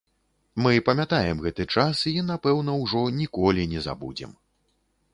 Мы памятаем гэты час і, напэўна, ужо ніколі не забудзем.